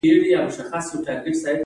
همدارنګه هلته اومه مواد او ځمکه ارزانه ده